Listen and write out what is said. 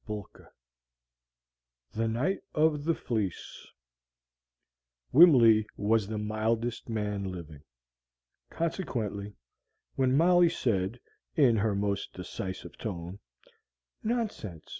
MINIMS THE NIGHT OF THE FLEECE Wimley was the mildest man living. Consequently, when Molly said, in her most decisive tone, "Nonsense!